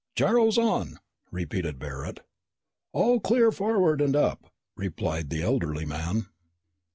"Gyros on," repeated Barret. "All clear forward and up!" replied the elderly man.